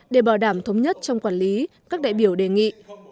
để bảo đảm thống nhất trong quản lý các đại biểu đề nghị